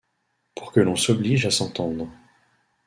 pour que l'on s'oblige à s'entendre.